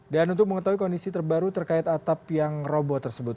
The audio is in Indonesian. dan untuk mengetahui kondisi terbaru terkait atap yang robo tersebut